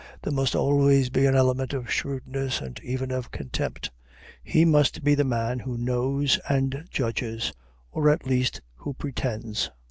There must always be an element of shrewdness and even of contempt; he must be the man who knows and judges or at least who pretends.